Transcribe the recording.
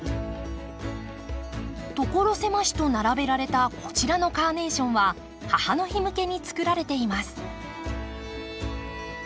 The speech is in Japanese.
所狭しと並べられたこちらのカーネーションは母の日向けにつくられています。